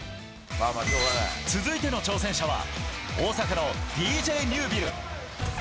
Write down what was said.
続いての挑戦者は大阪のディージェイ・ニュービル。